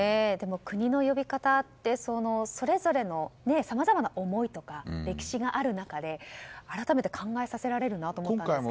でも国の呼び方って、それぞれさまざまな思いとか歴史がある中で改めて考えさせられると思いました。